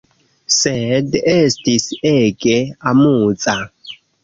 Sed, estis ege amuza.